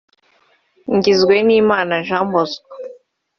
Ngizwenimana Jean Bosco